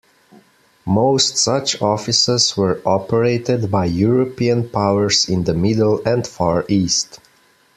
Most such offices were operated by European powers in the Middle and Far East.